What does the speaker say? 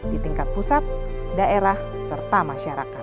di tingkat pusat daerah serta masyarakat